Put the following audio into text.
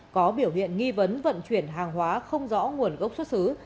có biểu hiện nghi vấn vận chuyển hàng hóa không rõ nguồn gốc xuất xứ